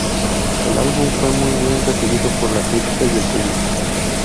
El álbum fue muy bien recibido por la crítica y el público.